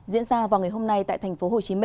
diễn ra vào ngày hôm nay tại tp hcm